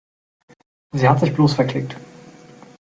Sie hat sich bloß verklickt.